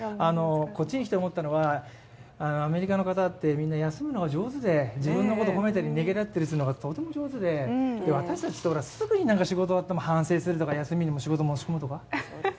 こっちに来て思ったのは、アメリカの方ってみんな休むのが上手で自分のことを褒めたりねぎらったりするのが本当に上手で私たちってすぐにほら、仕事終わっても反省するとか、休みにも仕事持ち込むとか？